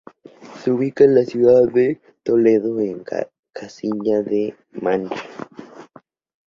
Se ubica en la ciudad de Toledo, en Castilla-La Mancha.